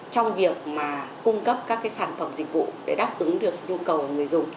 trong việc cung cấp các sản phẩm dịch vụ để đáp ứng được nhu cầu của người dùng